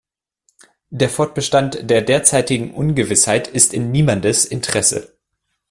Der Fortbestand der derzeitigen Ungewissheit ist in niemandes Interesse.